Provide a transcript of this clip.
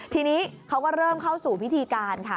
ทีนี้เขาก็เริ่มเข้าสู่พิธีการค่ะ